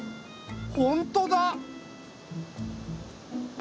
本当だ！